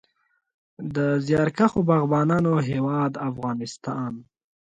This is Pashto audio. د زیارکښو باغبانانو هیواد افغانستان.